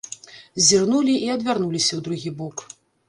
Зірнулі й адвярнуліся ў другі бок.